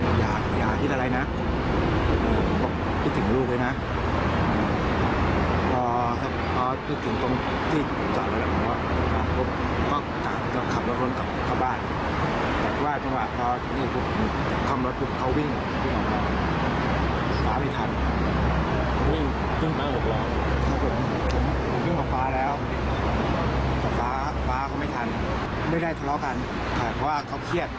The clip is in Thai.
ฟ้าฟ้าเขาไม่ทันไม่ได้ทะเลาะกันแต่ว่าเขาเครียด